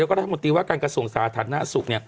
แล้วก็รัฐมนตรีว่าการกระทรวงสาธารณสุข